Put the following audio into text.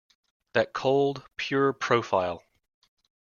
That cold, pure profile.